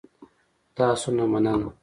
تاسو نه مننه